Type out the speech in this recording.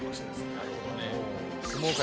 なるほどね。